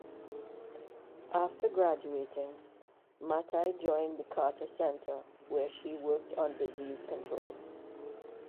After graduating Mathai joined the Carter Center where she worked on disease control.